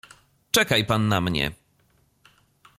"Czekaj pan na mnie."